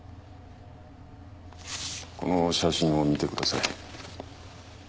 この写真を見てください